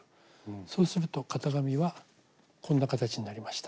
そうすると型紙はこんな形になりました。